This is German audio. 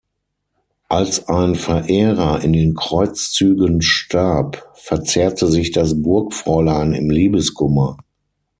Als ein Verehrer in den Kreuzzügen starb, verzehrte sich das Burgfräulein im Liebeskummer.